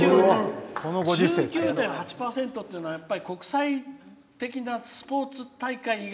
１９．８％っていうのは国際的なスポーツ大会以外